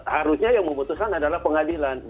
harusnya yang memutuskan adalah pengadilan